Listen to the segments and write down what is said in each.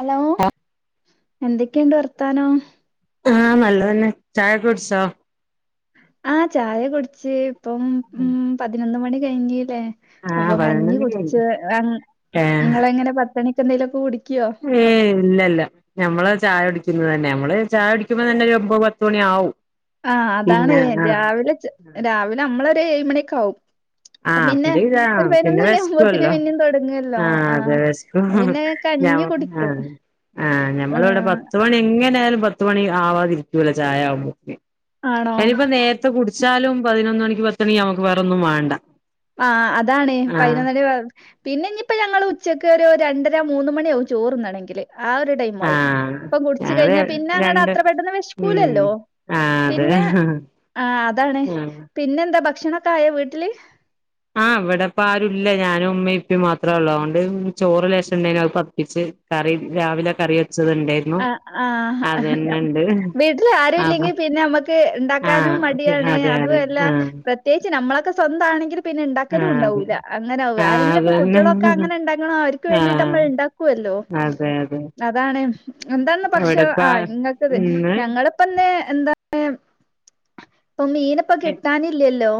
Hello എന്തൊക്കെയുണ്ട് വർത്താനം ആഹ് നല്ലതന്നെ ചായ കുടിച്ചോ ആ ചായ കുടിച്ച് ഇപ്പം പതിനൊന്ന് മണി കഴിഞ്ഞില്ലേ അപ്പൊ ആഹ് കഞ്ഞി പതിനൊന്നണി കുടിച്ച് കഴിഞ്ഞു ഇങ്ങൾ എങ്ങനെ പത്ത് മണിക്ക് എന്തേലും ഒക്കെ കുടി ഏഹ് ഇല്ല ഇല്ല നമ്മള് ചായ കുടിക്കുന്നത് തന്നെ നമ്മള് ചായ കുടിക്കുമ്പോ തന്നെ ഒമ്പത്പത്ത് ത്ത് മണിയാവും ആഹ് അതാണ് രാവിലെ രാവിലെ നമ്മളൊരു ഏഴു മണിയൊക്കെ ആവും ആഹ് പിന്നെ അപ്പത്തേക്ക് ഒരു ആഹ് പതിനൊന്ന് പിന്നെ മണി ആവുമ്പോത്തിന് വെശക്കുവല്ലോ പിന്നെയും തുടങ്ങല്ലോ ആഹ് അതെ വെശക്കും ആഹ് പിന്നെ ഞ കഞ്ഞി കുടിക്കും ആഹ് ആഹ് ഏ, ഞമ്മളെ ഇവിടെ പത്ത് മണി എങ്ങനായാലും പത്ത് പത്ത് മണി ആവാതിരിക്കൂല ചായ ആകുമ്പോത്തിന് ആണോ അയ്നിപ്പോ നേ- ത്തെ കുടിച്ചാലും പതിനൊന്ന് മണിക്ക് പത്ത് മണി ആകുമ്പക്ക് നമക്ക് വേറൊന്നും വേണ്ട ആഹ് അതാണ് ആഹ് പതിനൊന്നണി പിന്നെ ഇനിയിപ്പോ ഞങ്ങൾ ഉച്ചക്ക് ഒരു രണ്ടര മൂന്ന മണിയാകും ചോറ് തിന്നാണെങ്കിൽ ആഹ് ഒരു ടൈമാവും ആഹ് ഇപ്പൊ കുടിചച്ച് ഞങ്ങള് കഴിഞ്ഞാ പിന്നെ അങ്ങട്ട് രണ്ട് അത്ര പെട്ടെന്ന് ഉം വിഷകൂലല്ലോ ആ അതെ പിന്നെ ആഹ് അതാണ് പിന്നെ എന്താ ഭക്ഷണൊക്കെ ആയ വീട്ടില് ആഹ് ഇവിടെ ഇപ്പൊ ആരുല്ല ഞാനും ഉമ്മയും ഉപ്പിം മാത്രേ ഉള്ളൂ അതൊണ്ട് ചോറ് ലേശം ഉണ്ടേയ്ന് അത് തിളപ്പിച്ച് കറി രാവിലെ കറി വെച്ചതുണ്ടേയ്ന് ആഹ് ആഹ് വീട്ടിൽ ആരും അപ്പൊ ഇല്ലെങ്കിൽ പിന്നെ നമ്മക്ക് ഇണ്ടാ ആ ക്കാനും മടിയാണ് അതെ അതും അതെ അല്ല ആ പ്രത്യേകിച്ച് നമ്മളൊക്കെ സ്വന്ത ആണെങ്കിലും പിന്നെ ആ ഉണ്ടാക്കലും അതെ ഉണ്ടാവില്ല അങ്ങനാവ ആ ആരെങ്കിലൊക്കെ അതന്നെ കുട്ടികളൊക്കെ അങ്ങനെ ഉണ്ടാക്കണോ അവർക്ക് ആ വേണ്ടിട്ട് നമ്മൾ ഉണ്ട ക്കുവല്ലോ അതെ അതെ അതാണ് എന്താണ് പക്ഷെ ഇവിടെപ്പ ആഹ് ഇങ്ങൾക്കത് ഇന്ന് ഞങ്ങള് ഇപ്പൊ ഇന്ന് എന്താണ് ഇപ്പൊ മീന് ഇപ്പൊ കിട്ടാനില്ലല്ലോ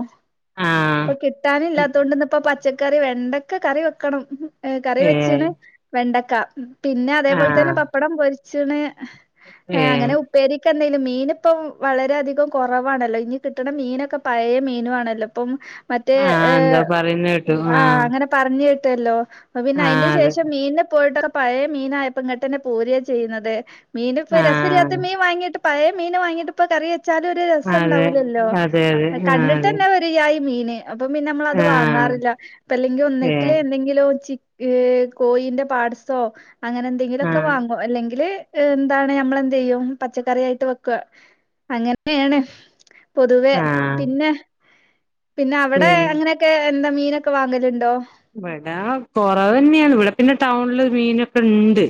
ആഹ് ഇപ്പൊ കിട്ടാനും ഇല്ലാത്ത കൊണ്ട് ഇന്ന് ഇപ്പൊ പച്ചക്കറി വെണ്ടക്ക കറി വെക്കണം ഏഹ് കറി ഏ വെച്ച്ണ് വെണ്ടക്ക പിന്നെ ആ അതേപോലെ തന്നെ പപ്പടം പൊരിച്ച്ണ് ഏ ഏഹ് അങ്ങനെ ഉം ഉപ്പേരിക്കെന്തെങ്കിലും മീന് ഇപ്പം വളരെ അധികം കുറവാണല്ലോ ഇനി കിട്ടണ മീനൊക്കെ പഴയ മീനും ആണല്ലോ ഇപ്പം മറ്റേ ആ എന്തോ ഏഹ് പറയുന്ന കേട്ടു ആ ആഹ് അങ്ങനെ പറഞ്ഞേട്ടല്ലോ അപ്പൊ പിന്നെ ആ അതിന് അതെ ശേഷം മീനിനെ പോയിട്ടൊ പഴയ മീനായപ്പങ്ങട്ടന്നെ പോരാ ചെയ്യുന്നത് മീന് ഇപ്പൊ ആ രസല്ലാത്ത മീൻ വാങ്ങിയിട്ട് പഴയ മീൻ വാങ്ങിട്ട് ഇപ്പൊ കറി വെച്ചാലും ഒരു രസം അതെ ഉണ്ടാവൂലല്ലോ അതെ അതെ ആ കണ്ടിട്ട് അതെ തന്നെ വെ ഒരു ജായ് മീന് അപ്പൊ പിന്നെ നമ്മളത് ആ വാങ്ങാറില്ല അപ്പൊ അല്ലെങ്കിൽ ഏ ഒന്നെങ്കിൽ എന്തെങ്കിലും ചി ഏഹ് കോഴിന്റെ പാട്സോ അങ്ങനെ ആ എന്തെങ്കിലുമൊക്കെ വാങ്ങും അല്ലെങ്കില് എന്താണ് നമ്മളെന്ത് ചെയ്യും പച്ചക്കറി ആയിട്ട് വെക്കുക അങ്ങനെയാണ് പൊതുവേ ആ പിന്നെ പിന്നെ അവിടെ അങ്ങനെയൊക്കെ എന്താ മീനൊക്കെ വാങ്ങലുണ്ടോ ഇവിടാ കൊറവ് തന്നെയാണ് ഇവിട പിന്നെ ടൗണില് മീനൊക്കെ ഉണ്ട്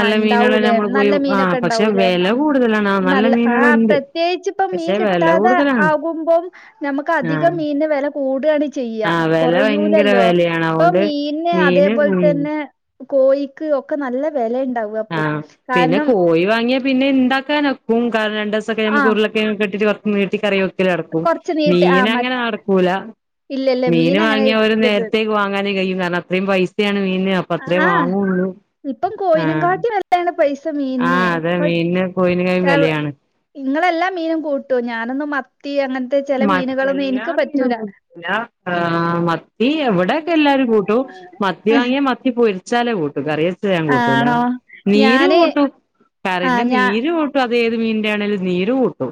ആ മീനുകള് ഇണ്ടാവൂലേ നമ്മൾ പോയി നല്ല ആഹ് മീനൊക്കെ പക്ഷെ ഇണ്ടാവൂലേ വില കൂടുതലാണ് ആഹ് നല്ല മീനുകൾ ഉണ്ട് പ്രത്യേകിച്ച് ഇപ്പം മീൻ കിട്ടാതെ ആകുമ്പം നമുക്ക് ആ അധികം മീനിന് വില കൂടാണ് ചെയ്യ ആ വില ഭയങ്കര കൊറയൂലല്ലോ വിലയാണ് ഇപ്പൊ അതുകൊണ്ട് മീന് അതേപോലെ തന്നെ കോഴിക്ക് ഒക്കെ നല്ല വില ഉണ്ടാവും അപ്പൊ കാരണം കോയി വാങ്ങിയാ പിന്നെ ഇണ്ടാക്കാനൊക്കും കാരണം രണ്ട് ദിവസൊക്കെ ആ നമുക്ക് ഉരുള കിഴങ്ങൊക്കെ ഇട്ടിട്ട് കൊറച് നീട്ടി കറി വെ ക്കല് നടക്കും കൊറച്ച് നീട്ടി ആ മീന് അങ്ങനെ മറ്റ് നടക്കൂല ഇല്ലല്ല മീൻ അങ്ങനെ വാങ്ങിയാ ഒരു കിട്ടൂല നേരത്തേക്ക് വാങ്ങാനേ കഴിയു കാരണം അത്രയും പൈസയാണ് മീനിന് അത്രേ ആഹ് വാങ്ങുള്ളൂ ഇപ്പം കോയിനെ ആഹ് കാട്ടിലും വെല ണ് പൈസ മീനിന് ആഹ് അതെ മീനിന് കോയിനേക്കായും വിലയാണ് ഇങ്ങളെല്ലാം മീനും കൂട്ടോ ഞാനൊന്നും മത്തി അങ്ങനത്തെ ചില മീനുകളൊന്നും മറ്റെല്ലാ എനിക്ക് പറ്റൂല മീനൊന്നും ആഹ് മത്തി ഇവിടെയൊക്കെ എല്ലാരും കൂട്ടും മത്തി വാങ്ങിയാ മത്തി പൊരി വെച്ചാല് കൂട്ടും കറി വെച്ച ഞാൻ കൂട്ടൂല ആണോ നീര് ഞാന് കൂട്ടും ആ കറിന്റെ ഞാ നീര് കൂട്ടും അത് ഏത് മീനിന്റെ ആണേലും നീര് കൂട്ടും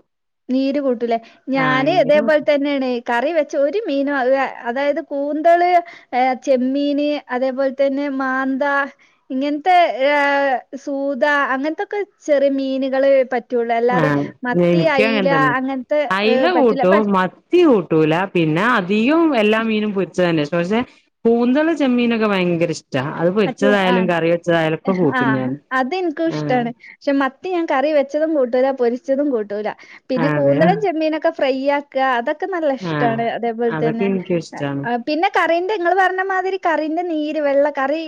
നീര് കൂട്ടൂലേ ആഹ് ഞാന് നീര് കൂട്ടും ഇതേപോലെ തന്നെയാണ് കറി വെച്ച് ഒരു മീനും ആഹ് അതായത് കൂന്തള് ഏഹ് ചെമ്മീന് അതേപോലെ തന്നെ മാന്ത ഇങ്ങനത്തെ ഏഹ് സൂത അങ്ങനത്തൊക്കെ ചെറിയ മീനുകൾ പറ്റു പറ്റുള്ളൂ അല്ലാതെ ആഹ് മത്തി എനിക്കും അങ്ങനെ അയില തന്നെ അങ്ങനത്തെ അയ്ല ഏഹ് പറ്റൂല പ കൂട്ടും മത്തി കൂട്ടൂല പിന്നെ അധികം എല്ലാ മീനും പൊരിച്ച തന്നെഷ് പഷേ കൂന്തള് ചെമ്മീനൊക്കെ ഭയങ്കര ഇഷ് ട്ടാ അത് ആ, ചൂ ആ പൊരിച്ചതായാലും കറി വെച്ചതായാലുക്കെ കൂട്ടും ഞാൻ ആ ഷെ മത്തി ഞാൻ കറി വെച്ചതും കൂട്ടൂല പൊരിച്ചതും കൂട്ടൂല പിന്നെ അതെ കൂന്തളും ചെമ്മീനൊക്കെ ഫ്രൈയ കാ അതൊക്കെ നല്ല ആഹ് ഇഷ്ടണ് അതേപോൽ അതൊക്കെ തെന്നെ എനിക്കും ഇഷ്ടാണ് പിന്നെ കറിന്റെ ഇങ്ങൾ പർണമാതിരി കറിന്റെ നീര് വെള്ള കറീ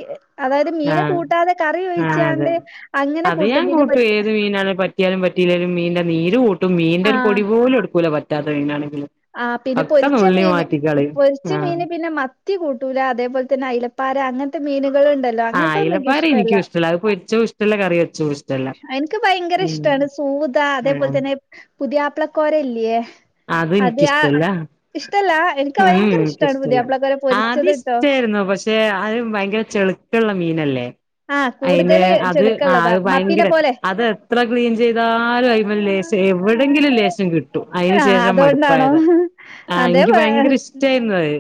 അതായത് മീന് ആഹ് കൂട്ടാതെ കറി ആഹ് അതെ ഒഴിച്ചാണ്ട് അങ്ങനെ അത് ഞാൻ കൂട്ടും പിന്നെ ഏത് മീനാണ് പറ്റ റ്റിയാലും പറ്റിയില്ലെലും മീന്റെ നീര് കൂട്ടും മീന്റെ ഒരു പൊടി പോലും എടുക്കൂല പറ്റാത്ത മീനാണെങ്കില്. ആ പിന്നെ ഒക്കെ പൊരിച്ച നുള്ളി മീന് മാറ്റിക്കളയും പൊരിച്ച ആഹ് മീന് പിന്നെ മ ത്തി കൂട്ടൂല അതേപോലെ തന്നെ അയിലപ്പാര അങ്ങൻത്തെ മീനുകള് ണ്ടല്ലോ ല്ല ആഹ് അങ്ങനത്തെന്നു ഇൻക് അയ്ലപ്പാര ഇഷ്ടല്ല എനിക്കും അത് പൊരിച്ചതും ഇഷ്ടല്ല കറി വെച്ചതും ഇഷ്ടല്ല എൻക്ക് ഭയങ്കര ഉം ഇഷ്ടാണ്. സൂത അതേപോലെ ആഹ് തന്നെ പുതിയാപ്ള കൊരല്ല്യേ? അതു ഇനിയ്ക്കിഷ്ടല്ല എനിക്ക് ഉം ഭയങ്കര ഇഷ്ടാണ് യ്ക്ക്ഷ്ടല്ല പുതിയാപ്ലക്കോര പൊരിച്ചത് ആദ്യം ട്ടോ ഇഷ്ടയ്രുന്നു പഷ് ക്ഷെ അഹ് ഭയങ്കര ചെളിത്തള്ളെ മീനല്ലേ? ആഹ് അയിന് കൂടുതല് അത് ആ ചെളുക്കള്ളതാ മത്തിനെ ഭയങ്കര പോലെ അതെത്ര ക്ലീൻ ചെയ്താലും അയിമ ലേശം എവിടെങ്കിലും ലേശം കിട്ടും. അയ്ന് ആഹ് ശേഷം അതുകൊണ്ടാണോ മടുപ്പായത ആ അതെ ഇൻക്ക് ഭയങ്കര ഇഷ്ട്ടെ ഷ്ടായിരുന്നത്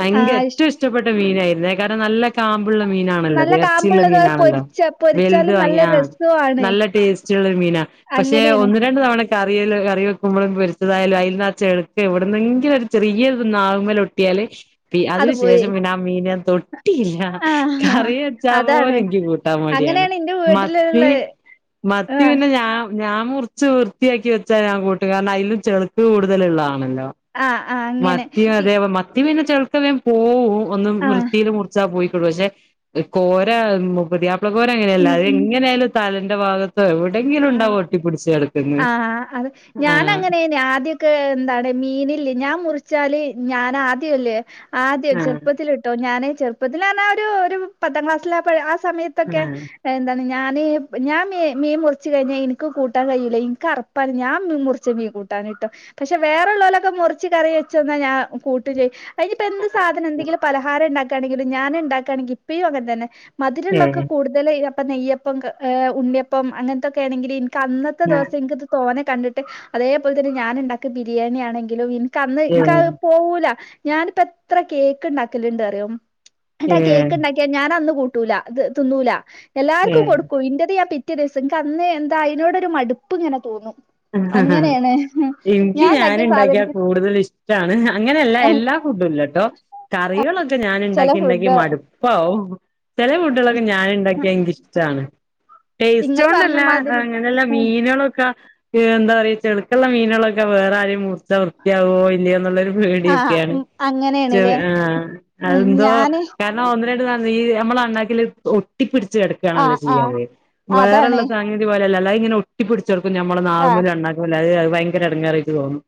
ഭയങ്ക ആഹ് ഇഷ് ഏറ്റും ഇഷ്ടപ്പെട്ട മീനായിര്ന്നെ കാര നല്ല കാമ്പ്ള്ള മീനാണല്ലോ നല്ല എർച്ചിള്ള കാമ്പുള്ളത് അത് മീനാണല്ലോ പൊരിച്ച വെൽത് പൊരിച്ചാലും നല്ല വാങ്ങി ആ രസവാണ് നല്ല ടേസ് ചിയുള്ള മീനാ പക്ഷെ അങ്ങനെയാണ് ഒന്ന് രണ്ട് തവണ കറില് കറി വെക്കുമ്പോഴും പോര് തായാലും അതിൽന്നചെള്ക്കെ എവിടുന്നെങ്കിലും ഒരു ചെറിയ നാവ്മല് ഒട്ടിയാല് പി അത് അതിനു പോയി ശേഷം പിന്നെ ആ മീന് ഞാ തൊ ട്ടില്ല ആഹ് ആഹ് കറി വെച്ചാ പോലു അതാണ് ഇൻക് കൂട്ടാ മടിയാണ് അങ്ങനെയാണ് ഇന്റെ മത്തി വീട്ടിലുള്ള മത്തി ആഹ് പിന്നെ ഞാ ഞാ മുർ ച്ച് വൃത്തിആക്കി വെച്ചാ ഞാ കൂട്ടും കാര്ണം അയ്ലും ചെളുക്ക് കൂടുതലള്ളതാണല്ലോ.. ആഹ് ആഹ് അങ്ങനെ മത്തി അതെ മത്തി പിന്നെ ചെ ക്കു ഞാ പോവും ഒന്ന് ആഹ് വൃത്തില് മുറിച്ച പോയിക്കോളും പഷെ കോര പുതിയാ പ്ല കോര അങ്ങനെല്ല ഉം അത് ഉം എങ്ങനെയാലും തലന്റെ ഭാഗ പ്പ എവിടെങ്കിലും ആഹ് ണ്ടാവു ഒട്ടിപ്പിടിച്ച് കെടക്ക്ന്ന് ആഹ് ക് എന്താണ് മീനില്ലേ ഞാൻ മുറിച്ചാല് ഞാൻ ആദ്യല്ലേ ആദ്യം ആഹ് ചെറുപ്പത്തില് ട്ടോ ഞാന് ചെറുപ്പത്തിലാന്നാ ഒരു ഒരു പത്താം ക്ലാസ്സില ആപ്പോ ആ സമയത്തൊക്കെ ആഹ് എന്താണ് ഞാന് ഞാൻ മീ മീ മുർ ച്ച് കഴിഞ്ഞാ ഇൻക്ക് കൂട്ടാ കയ്യൂല ഇൻക് അറപ്പാ ഞാൻ മുറിച്ച മീ കൂട്ടാന്ട്ടോ പക്ഷെ വേറെള്ളവലൊക്കെ മുറച്ച് കറി വെച്ചന്നാ ഞാൻ കൂട്ട്ചെയ് അതിനിപ്പ എന്ത് സാധന എന്തെങ്കിലും പലഹാരം ണ്ടാക്കാണെങ്കിലു ഞാന് ണ്ടാക്കാണെങ്കി ഇപ്പിയും അങ്ങനെ തന്നെ. മധുരുള്ളൊക്കെ ഏഹ് കൂടുതലൈന് അപ്പ നെയ്യപ്പം ഏ ഉണ്ണിയപ്പം അങ്ങനത്തൊക്കെ ആണെങ്കില് ൻക്ക് അന്ന് ന്നത്തെ ദേസ ൻക്ക് ത് തോനെ കണ്ടിട്ട് അതേപോലെ തന്നെ ഞാന് ണ്ടാക്ക ബിരിയാണി ആണെങ്കിലും ന്ക്ക് അന്ന് ഇൻക് ഏഹ് പോവൂല ഞാനിപ്പ എത്ര കേക്ക് ണ്ടാക്കലണ്ട് അറിയോ? ണ്ടാക്കിയ ഏഹ് കേക്കണ്ടാക്കിയാ ഞാൻ അന്നു കൂട്ടൂല അത് തിന്നൂല എല്ലാർക്കും ഏഹ് കൊടുക്കൂ ഇന്റത് ഞാ പി റ്റെദെസം ക്ക് അന്ന് എന്താ അതിനോടൊരു മടുപ്പ് ങ്ങനെ തോന്നും അങ്ങനെയാണ്. എനിയ്ക്ക് ഞാൻ ഞാന് ഉണ്ടാക്കിയ ണ്ടാക്കിയാ സാധനത്തി കൂടുതൽ ഇഷ്ടണ് അങ്ങനെല്ല എല്ലാ ഫുഡും ഇല്ലട്ടോ. കറികളൊക്കെ ഞൻ ചില ണ്ടാക്കി ണ്ടാക്കി ഫുഡ് മടുപ്പവും. ചെല ഫുഡുകളൊക്കെ ഞന്ണ്ടാക്കിയ ഇൻയ്ക്ക് ഇഷ്ടണ്. ടേസ്റ്റ് ഇങ്ങള് പറഞ്ഞ ണ്ടല്ല മാതിരി അങ്ങനെല്ല മീനുകളൊക്ക ഏ എന്താ പറയാ ചെള്ക്കള്ള മീനുകളൊക്കെ വേറെ ആരെ മുർ ർചാ വൃത്തിആവോ ഇല്ല്യേ ന്നുള്ളൊരു ആ പേടിയൊക്കെയാണ്. ചെള് അങ്ങനെയാണ്ല്ലേ ആഹ് അത് എന്തോ ഞാന് ക ന്നാ ഒന്ന് രണ്ട് [unintelligible] അമ്മള അണ്ണാക്കില് ഒട്ടിപ്പിച്‌ കെടക്കും. ആ ണല്ലോ ആ ചെയ്യാെ വേറെള്ള അതാണ് സാങ്ങ ഇതു പലല്ല അത ഇങ്ങനെ ഒട്ടി പിടിച്ചെടുക്കും നമ്മൾ ആ നാവുമ്മല അണ്ണാക്കുമ്മലു അയ് അത് ഭയങ്കര എടങ്ങാറയ് തോന്നും.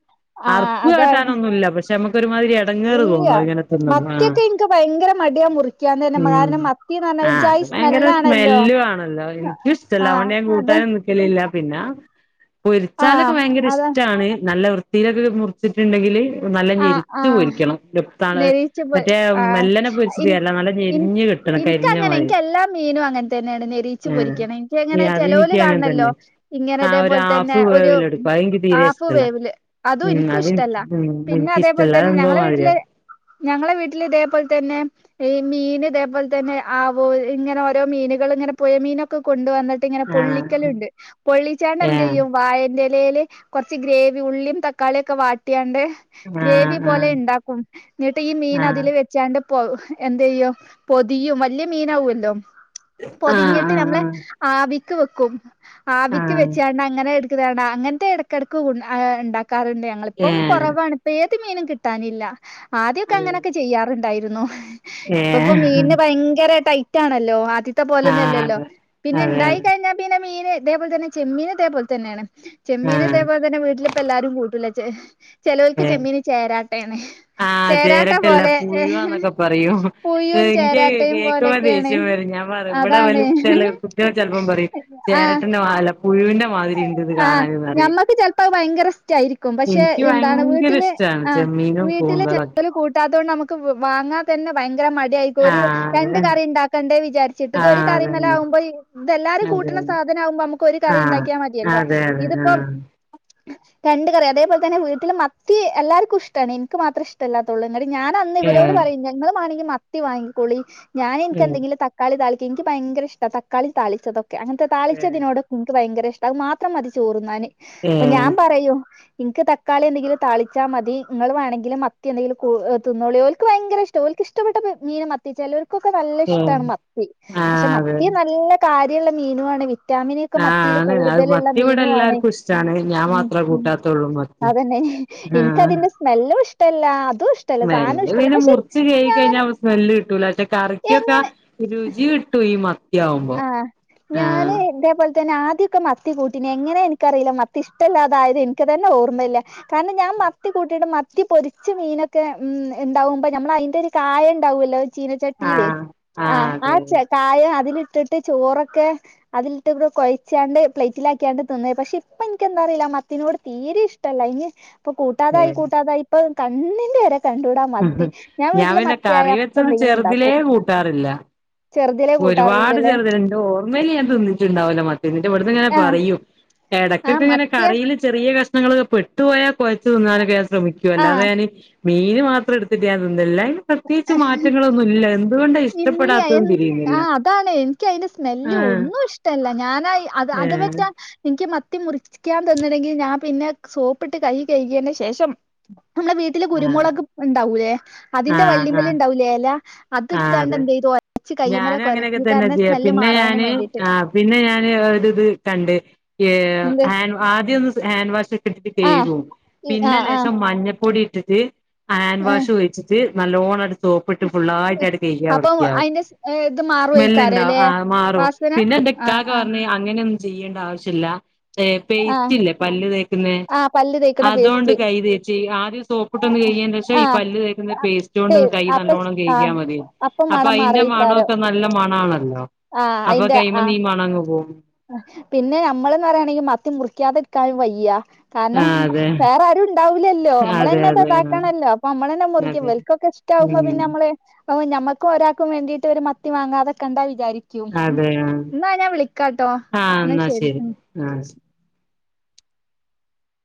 ആ അർപ്പ് അതാണ് കാട്ടാനൊന്നുല്ല പക്ഷെ നമ്മുക്ക് ഒരുമാതിരി ഇടങ്ങേറ് ഇല്ല്യ തോന്നു അങ്ങനെ തിന്നുമ്പോ ആഹ് മത്തിയൊക്കെ ഇൻക്ക് ഭയങ്കര മടിയാ മുറിക്കാൻ തന്നെ ഉം കാരണം മത്തിന്ന് പറഞ്ഞാ ഒരു ജായി ആഹ് ഭയങ്കര സ്മെല്ലാണല്ലോ സ്മെല്ലു ആണല്ലോ എനിക്ക് ല്ലാ ആഹ് അതോണ്ട് ഞാൻ അതെ കൂട്ടാനും നിക്കലില്ല പിന്നെ പൊരിച്ചാലൊക്കെ ആഹ് ഭയങ്കര അതാ ഇഷ്ട്ടാണ് നല്ല വൃത്തിയിലൊക്കെ മുറിച്ചിട്ടുണ്ടെങ്കില്.. നല്ല ആഹ് ഞെരിച്ച് ആഹ് പൊരിക്കണം ലുപ്താണ് നെരീച്ച പോയി മറ്റേ ആഹ് മെല്ലനെ ഇൻ പൊരിച്ചിട്ടരല്ല ഇൻ നല്ലഞ്ഞെരിഞ്ഞ് കി ഇൻക്ക് അങ്ങനെ എനിക്ക് എല്ലാ മീനും അങ്ങനെ തന്നെയാണ് നെരിച്ചു ആഹ് പൊരിക്കണം എനിക്ക അങ്ങനെ ഈ ചെലോല് അതെനിക്ക് അങ്ങനെ കാണല്ലോ തന്നെ ഇങ്ങനെ ആഹ് ഒരു ഇതേപോലെ തന്നെ ഹാഫ് ഒരു വേവിലെടുക്കും അതെനിക്ക് തീരെ ആഫു ഇഷ്ടല്ല വേവില്. അതും ഉം എനിക്കും അതെനിക്ക് ഇഷ്ടല്ല ഉം പിന്നെ അതേ പോലെ എനിക്കിഷ്ടല്ല തന്നെ അതെന്തോ ഞങ്ങളെ മാതിരിയാ വീട്ടില്. ഞങ്ങളെ വീട്ടിൽ ഇതേ പോലെ തന്നെ ഈ മീൻ ഇതേ പോലെ തന്നെ ആവോ ഇങ്ങനെ ഓരോ മീനുകളൾ ഇങ്ങനെ പുഴ മീനൊക്കെ കൊണ്ടുവന്ന ഇങ്ങനെ ആഹ് പൊള്ളിക്കലുണ്ട് പൊള്ളിച്ചാണ്ട് എന്ത ഏഹ് ചെയ്യും വായന്റെ ഇലൽ കുറച്ച് ഗ്രേവി ഉള്ളിയും തട്ടി തക്കാളിയൊക്കെ വാട്ടിയാണ്ട് ഗ്രേവി ആഹ് പോലെ ഉണ്ടാക്കും എന്നിട്ട് ഈ മീൻ അതിൽ ആഹ് വെ ചാണ്ട് പൊ എന്തയ്യോ പൊതിയും വലിയ മീനാവല്ലോ ആഹ് പൊതിഞ്ഞിട്ട് ആഹ് നമ്മളെ ആവിക്ക് വെക്കും ആഹ് ആഹ് ആവിക്ക് ആഹ് വെച്ചാണ്ട് അങ്ങനെ [unintelligible] അങ്ങനത്തെ ഇടക്കിടക്ക് ണ്ടാക്കാറുണ്ട് ഞങ്ങളിപ്പം ഏഹ് കുറവാണ്. ഇപ്പെ ഏത് മീനും കിട്ടാനില്ല ആദ്യൊക്കെ അതെ അങ്ങനൊക്കെ ചെയ്യാറുണ്ടായിരുന്നു. ഇപ്പ ഇപ്പ ഏഹ് മീന് ഭയങ്കര ടൈറ്റ് ആണല്ലോ ആദ്യ ഇത്തെ ആഹ് പോലൊന്നുംല്ലല്ലോ അതെ പിന്നെ അതെ അതെ ഉണ്ടായി കഴിഞ്ഞാൽ പിന്നെ മീന് ഇതേ പോലെ തന്നെ ചെമ്മീന് ഇതേപോലെ തന്നെയാണ് ചെമ്മീന് ആഹ് ഇതേപോലെ തന്നെ വീട്ടിലിപ്പ ല്ലാരും കൂട്ടില്ല ചേലോൽക്ക് ഏഹ് ചെമ്മീന് ചേരാട്ടെണ്. ആഹ് ചേരാട്ട ചേരട്ടല്ല പോലെ പുഴുവാന്നൊക്കെ പറയും പുഴും എനിക്ക് ചേരാട്ടയും കേക്കുമ്പോ പോലെയൊക്കെയാണ്. ദേഷ്യം വരും ഞാൻ പറയും ഇവിടെ അതാണ് വല് ചെല കുട്ടികൾ ചെലപ്പം പറയും ആഹ് ചേരട്ടന്റെ അല്ല പുഴുവിന്റെ മാതിരി ഉണ്ട് ഇത് ആഹ് കാണാന് പറയും ഞമ്മക്ക് ചെലപ്പോ ഭയങ്കര ഇഷ്ടായിരിക്കും പക്ഷെ എനിക്ക് എന്താ ഭയങ്കര വീട്ടിലെ ഇഷ്ടാണ് ആഹ് ചെമ്മീനും വീട്ടെല് കൂന്തളൊക്കെ ചെലോൽ കൂട്ടാത്തണ്ട് നമുക്ക് വാങ്ങാ തന്നെ ഭയങ്കര മടി ആയിരിക്കും ഒരു ആഹ് രണ്ട് അതെ കറി ഉണ്ടാക്കേണ്ടേ വിചാരിട്ട് ഇത് ഒരു ആഹ് കറി മ്മൽ അതന്നെ ആകുമ്പോ ഇതെല്ലാരും അതെ കൂട്ടണ സാധനം ആകുമ്പോ നമുക്ക് ഒരു കറി ആഹ് ഉണ്ടാക്കിയാ മതിയല്ലോ അതെ അതെ ഇതിപ്പോ ആഹ് രണ്ട് കറിയ അതേ പോലെ തന്നെ വീട്ടില് മത്തി എല്ലാർക്കും ഇഷ്ടണ് എനിക്ക് മാത്രം ഇഷ് ല്ലാത്തുള്ളൂ ഞാൻ അന്ന് ഇവരോട് ഏഹ് പറയും നിങ്ങൾമാണെങ്കിൽ മത്തി വാങ്ങികോളി ഞാൻ ഏഹ് എനിക്കെന്തെങ്കിലും തക തക്കാളി തളിക്ക എനിക്ക് ഭയങ്കര ഇഷ്ട തക്കാള താളിച്ചതൊക്കെ അങ്ങനത്തെ താളിച്ചതിനോട്. എനിക്ക് ഭയങ്കര ഇഷ്ട അത് മാത്രം മതി ചോറന്നാന് ഏഹ് അപ്പൊ ഞാൻ ഏഹ് പറയൂ. നിങ്ങക്ക് തക്കാളി എന്തെങ്കും താളാൽ മതി നിങ്ങൾ വേണങ്കിൽ മത്തിയ എന്തെങ്കിലും തിന്നളി ഓല്ക്ക് ഭയര ഇഷ്ട ഓൽക്ക് ഇഷ്ടപ്പെട്ട മീന മത്തിച്ചാലോ കൊക്കെ നല്ല ഇഷ്ടാണ് മത്തി പക്ഷെ ആഹ് അതെ മത്തി നല്ല കാര്യുള്ള മീനുവാണ് വിറ്റാമിൻ ക്ക് ആഹ് മത്തിൽ ആണ് അത് കൂടുതലുള്ള മത്തി ഇവിടെ മീനു ആണ എല്ലാർക്കും ഇഷ്ടാണ് ഞാൻ ഉം മാത്രേ ഉം കൂട്ടാത്തുള്ളൂ മത്തി അതന്നെ എനക്ക് അതിന്റെ സ്മെല്ലും ഇഷ്ടല്ല അതും ഇഷ് മെല്ല പിന്നെ മുറിച്ച് കയികി കഴിഞ്ഞാൽ സ്മെല്ല് കിട്ടൂല പക്ഷെ കറിക്കൊക്കെ എങ്ങനെ രുചികിട്ടു ഈ മ ആഹ് ഞാന് ഇതേപോലെ തന്നെ ആദ്യൊക്കെ മ ത്തി കൂട്ടി എങ്ങനെ എനിക്കറിയില്ല മത്തി ഇഷ്ടല്ലാതായത് എനിക്ക് തന്നെ ഓർമ്മല്ല കാരണം ഞാൻ മത്തി കൂട്ടീട്ട് മ ത്തി പൊരിച്ച് മീനൊക്കെ ഉം ഉണ്ടാവുമ്പോ നമ്മള അയ്ന്റെ ഒരു കായം ഉണ്ടാവുല്ലോ.. ചീനച്ചട്ടിയിലേ ആഹ് ആഹ് അതെ ആ കായം അതിലിട്ടിട്ട് ചോറൊക്കെ അതിലിട്ട് ഇവിടെ കൊഴച്ചാണ്ട് പ്ലേറ്റിലാക്കിയാണ്ട് തിന്നേ പക്ഷെ ഇപ്പ എനിക്കെന്താറിയില്ല മത്തിനോട് തീരെ ഇഷ് കട്ടല്ല ഇനി ഇപ്പൊ അതെ കൂട്ടാതായി കൂട്ടാതായി ഇപ്പൊ കണ്ണിന്റെ നേരെ കണ്ടൂടാ മത്തി ഞാൻ വീട്ടിൽ പിന്നെ മത്തി ആയ കറി അപ്പോ വെച്ചത് എന്തെലും ചെറുതിലേ ഉണ്ടാക്കും.. കൂട്ടാറില്ലല്ലേ ചേർ എന്റെ ഓർമയിൽ ഞാൻ തിട്ടണ്ടാവല്ലോ മത്തി എന്നിട്ടി ഇവിടുന്ന് ഇങ്ങെനെ ആഹ് പറയും.. ആഹ് ഇടയ്ക്കൊക്കെ ഇങ്ങനെ മത്തിയ കറിൽ ചെറിയ കഷ്ങ്ങളൊക്ക പെട്ടു പോയാൽ കുഴച്ചു തിന്നാനൊക്കെ ഞാൻ ശ്രമിക്കുവ അല്ലാതെ ആഹ് ഞാന് മീന് മാത്രം എടുത്തിട്ട് ഞാൻ തിന്നില്ല അതിന് പ്രത്യേകിച്ച് മാറ്റങ്ങളൊന്നുമില്ല എന്തുകൊണ്ടാ ഇല്ല എ ഇഷ്ടപ്പെടാത്തത് ആഹ് അതാണ് എനിക്ക് അതിന്റെ സ്മെല്ല് ആഹ് ഒന്നും ഇഷ്ടമല്ല ഞാനായി അത് അത് ഏഹ് വറ്റാ എനിക്ക് മത്തി മുറിക്കാൻ തന്നണെങ്കിൽ ഞാൻ പിന്നെ സോപ്പിട്ട് കൈ കഴുകിയതിന് ശേഷം നമ്മളെ വീട്ടിലെ ആഹ് കുരുമുളക് ഉണ്ടാവൂലേ അതിന്റെ ആഹ് വള്ളിമേൽ ആഹ് ഉണ്ടാവൂലേ എല അ ത് ആഹ് എടുത്താണ്ട് അതെ എന്ത് ചെയ്തു ഒരച്ച് ഞാനും കൈയ്യുമ്മേലൊക്കെ അങ്ങനെയൊക്കെ ഉരച്ച് തന്നെ കാരണം ചെയ്യാ സ്മെല്ല് പിന്നെ മാറാനും ഞാന് വേണ്ടിയിട്ട് ആഹ് പിന്നെ ഞാന് ഒരു ഇത് കണ്ട് എന്ത് ഹാൻഡ്‌ ആദ്യമൊന്ന് ഹാൻഡ് വാഷ് ഇട്ടിട്ട് ആഹ് കഴുകും ഈ പിന്നെ ആഹ് ആഹ് ലേശം മഞ്ഞൾപ്പൊടി ഇട്ടിട്ട് ഹാൻഡ് ഏഹ് വാഷ് ഒഴിച്ചി ട്ട് നല്ലോണ്ണം അങ്ങട്ട് സോപ്പിട്ട് ഫുുള്ളായി ട്ട് കഴുകിയാൽ അപ്പൊ വൃത്തിയാവും അയിന്റെ സ് ഇത് സ്മെലുണ്ടാവും മാറുവയിക്കാരല്ലേ ആഹ് അത് മാറും വാസന പിന്നെ എന്റെ ആഹ് ഇക്കാക്ക ആഹ് പറഞ്ഞു അങ്ങനെയൊന്നും ചെയ്യേണ്ട ആവശ്യമില്ല പേ പേസ്റ്റ് ആഹ് ഇല്ലേ പല്ല് തേക്കുന്നേ ആഹ് പല്ല് തേക്കണ അതുകൊണ്ട് പേസ്റ്റ് കൈ തേച്ച് ആദ്യം സോപ്പിട്ടൊന്ന് കഴുകിയ ശേഷം ഈ ആഹ് പല്ല് തേക്കുന്ന പേ കൊണ്ട് ഒന്ന് കൈ അപ്പൊ നല്ലോണം കഴുകിയ ആഹ് മതി അപ്പൊ മണം അതിന്റെ മാറയിക്കാരം മണവൊക്കെ നല്ല മണം ആണല്ലോ ആഹ് അപ്പൊ അയിന്റെ കൈമേ ആ മ്മ മീൻ മണം അങ്ങ് പോകും പിന്നെ നമ്മളെന്ന് പറയാണെങ്കിൽ മത്തി മുറിക്കാതിരിക്കാനും വയ്യ കാരണം ആ അതെ വേറാരും ഇണ്ടാവൂല്ലല്ലോ നമ്മള് അതെ തന്നെ അതെ ആ ഇതാക്കണല്ലോ അപ്പൊ നമ്മളന്നെ മുറുകിയ അതെ ഇവര്ക്കൊക്കെ ഇഷ്ടാകുമ്പോ ഉം പിന്നെ നമ്മള് അതേ ഞമ്മക്കും ഒരാൾക്കും വേണ്ടിട്ട് ഒരു മത്തി വാങ്ങാൻ നിക്കണ്ടാ വിചാരിക്കും അതെ ആ എന്നാ ഞാൻ വിളി ക്കാട്ടോ എന്നാ ശരി ഉം ആഹ് ശരി